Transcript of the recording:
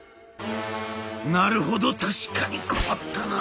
「なるほど確かに困ったな。